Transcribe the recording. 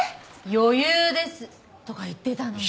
「余裕です」とか言ってたのに。